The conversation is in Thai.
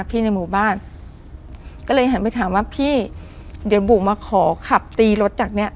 ในหมู่บ้านก็เลยหันไปถามว่าพี่เดี๋ยวบุ๋มาขอขับตีรถจากเนี้ย